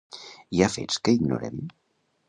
Hi ha fets que ignorem?